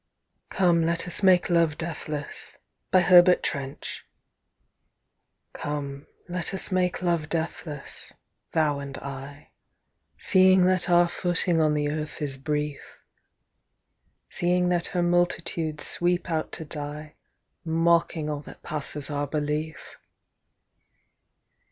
Herbert Trench Come let us make Love Deathless COME let us make love deathless, thou and I, Seeing that our footing on the earth is brief Seeing that her multitudes sweep out to die Mocking all that passes our belief.